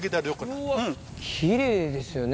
うわー、きれいですよね。